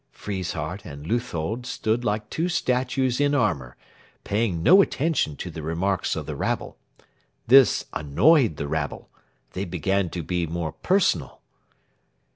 Friesshardt and Leuthold stood like two statues in armour, paying no attention to the remarks of the rabble. This annoyed the rabble. They began to be more personal.